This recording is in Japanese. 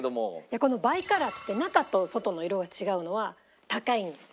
いやこのバイカラーって中と外の色が違うのは高いんです。